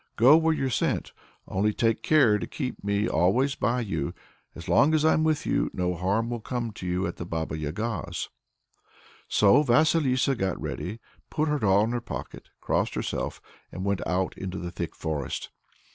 "Go where you're sent. Only take care to keep me always by you. As long as I'm with you, no harm will come to you at the Baba Yaga's." So Vasilissa got ready, put her doll in her pocket, crossed herself, and went out into the thick forest.